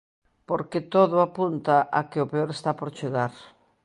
Porque todo apunta a que o peor está por chegar.